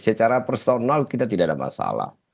secara personal kita tidak ada masalah